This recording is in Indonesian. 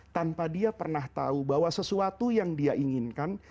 tanpa dia pernah tahu bahwa sesuatu yang dia inginkan